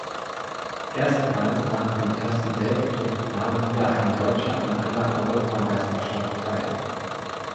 Erstmals nach dem Ersten Weltkrieg nahm wieder ein Deutscher an einer Europameisterschaft teil.